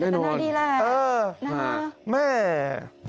เจฯนาดีแหละนะครับ